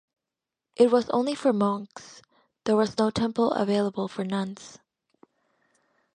It was only for monks, there was no temple available for nuns.